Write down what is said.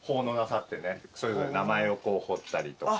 それぞれ名前を彫ったりとか。